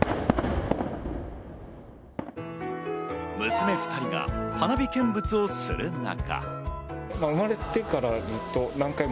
娘２人が花火見物をする中。